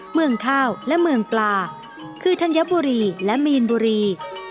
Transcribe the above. เมืองข้าวและเมืองปลาคือธัญบุรีและมีนบุรี